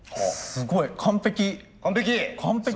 すごい完璧！